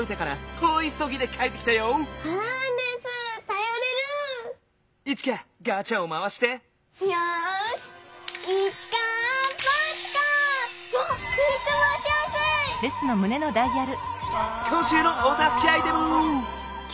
こんしゅうのおたすけアイテム。